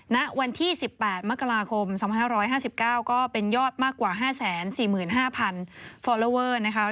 ณวันที่๑๘มกราคม๒๕๕๙ก็เป็นยอดมากกว่า๕๔๕๐๐ฟอลลอเวอร์นะคะ